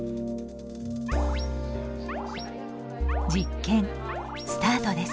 実験スタートです！